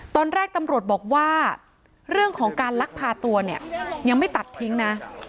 ตอนแรกตำรวจบอกว่าเรื่องของการลักพาตัวเนี่ยยังไม่ตัดทิ้งนะ